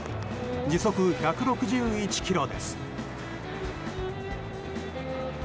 時速１６１キロです。